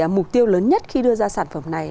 mục tiêu lớn nhất khi đưa ra sản phẩm này